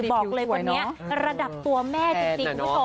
บอกเลยว่านี้ระดับตัวแม่ซี่